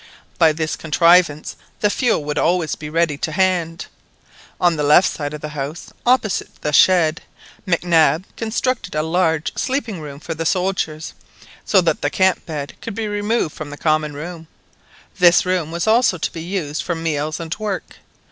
By this contrivance the fuel would always be ready to hand. On the left side of the house, opposite the shed, Mac Nab constructed a large sleeping room for the soldiers, so that the camp bed could be removed from the common room. This room was also to be used for meals, and work.